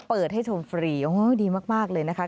เปิดให้ชมฟรีโอ้ยดีมากเลยนะคะ